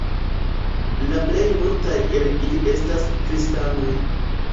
La plej multaj el ili estas kristanoj.